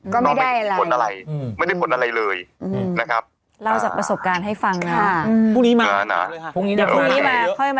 แล้วก็ไม่ได้ไม่ได้คนอะไรเลยไม่ได้คนอะไรเลยนะครับ